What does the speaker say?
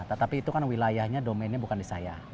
tetapi itu kan wilayahnya domennya bukan di saya